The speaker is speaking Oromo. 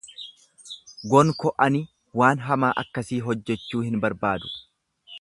Gonko ani waan hamaa akkasii hojjechuu hin barbaadu.